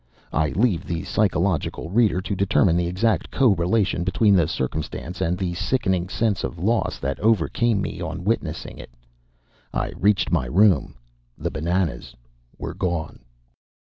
I leave the psychological reader to determine the exact co relation between the circumstance and the sickening sense of loss that overcame me on witnessing it. I reached my room the bananas were gone.